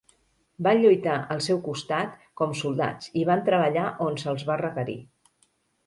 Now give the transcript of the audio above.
Van lluitar al seu costat com soldats i van treballar on se'ls va requerir.